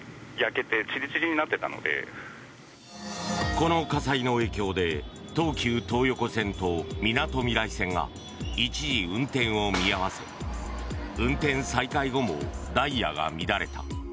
この火災の影響で東急東横線とみなとみらい線が一時、運転を見合わせ運転再開後もダイヤが乱れた。